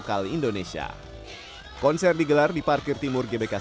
yang membuatnya menjadi sebuah perusahaan yang sangat berharga